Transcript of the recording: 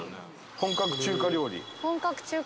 「本格中華料理」。